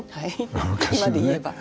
今で言えば。